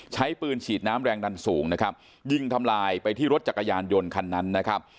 ใช้ปืนฉีดน้ำแรงดันสูงนะครับยิงทำลายไปที่รถจักรยานยนต์คันนั้นนะครับ